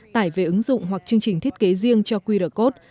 tải về ứng dụng hoặc chương trình thiết kế riêng cho qr code